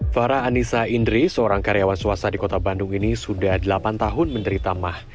farah anissa indri seorang karyawan swasta di kota bandung ini sudah delapan tahun menderita mah